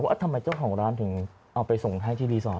ทำไมเจ้าของร้านถึงเอาไปส่งให้ที่รีสอร์ท